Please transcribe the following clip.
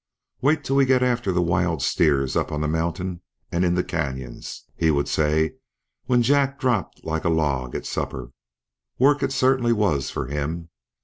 "Wait till we get after the wild steers up on the mountain and in the canyons," he would say when Jack dropped like a log at supper. Work it certainly was for him.